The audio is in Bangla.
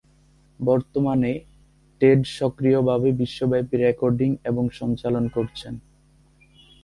বর্তমানে, টেড সক্রিয়ভাবে বিশ্বব্যাপী রেকর্ডিং এবং সঞ্চালন করছেন।